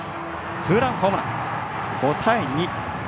ツーランホームラン、５対２。